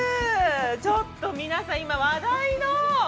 ちょっと皆さん、今、話題の！